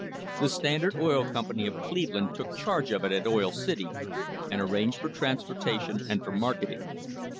The Standard Oil Company of Cleveland took charge of it at Oil City, and arranged for transportation and for marketing.